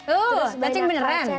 oh cacing beneran